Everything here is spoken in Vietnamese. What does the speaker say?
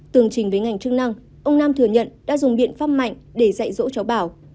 tương trình với ngành chức năng ông nam thừa nhận đã dùng biện pháp mạnh để dạy dỗ cháu bảo